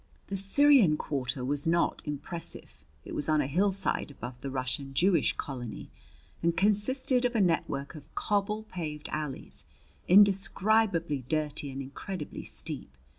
The Syrian quarter was not impressive. It was on a hillside above the Russian Jewish colony, and consisted of a network of cobble paved alleys, indescribably dirty and incredibly steep.